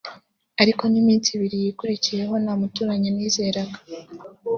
ariko n’iminsi ibiri yakurikiyeho nta muturanyi nizeraga